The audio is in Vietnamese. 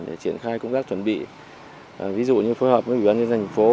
để triển khai công tác chuẩn bị ví dụ như phối hợp với ubnd thành phố